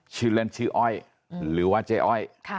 ชื่อเล่นชื่ออ้อยหรือว่าเจ๊อ้อย